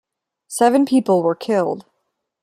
Seven people were killed.